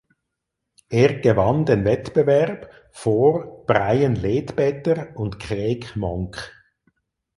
Er gewann den Wettbewerb vor Brian Ledbetter und Craig Monk.